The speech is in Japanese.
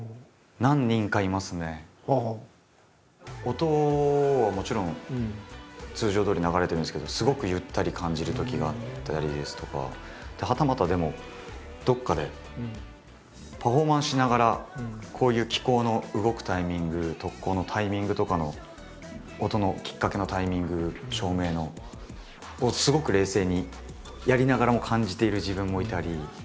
音はもちろん通常どおり流れてるんですけどすごくゆったり感じるときがあったりですとかはたまたでもどっかでパフォーマンスしながらこういう機構の動くタイミング特効のタイミングとかの音のきっかけのタイミング照明のをすごく冷静にやりながらも感じている自分もいたり。